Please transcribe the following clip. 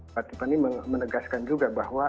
patipani menegaskan juga bahwa